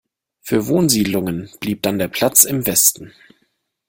Für Wohnsiedlungen blieb dann der Platz im Westen.